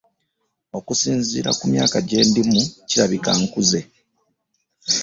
Okusinziira ku myaka gye ndimu kirabika nkuze.